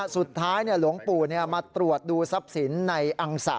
หลวงปู่มาตรวจดูทรัพย์สินในอังสะ